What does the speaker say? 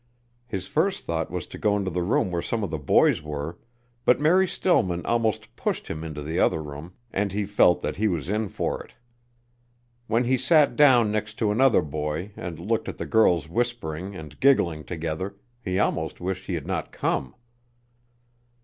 His first thought was to go into the room where some of the boys were, but Mary Stillman almost pushed him into the other room and he felt that he was in for it. When he sat down next to another boy and looked at the girls whispering and giggling together, he almost wished he had not come.